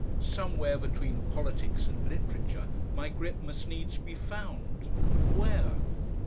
Somewhere between politics and literature my grip must needs be found, but where?